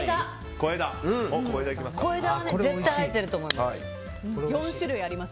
小枝は絶対入ってると思います。